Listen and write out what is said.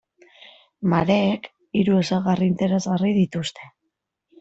Mareek hiru ezaugarri interesgarri dituzte.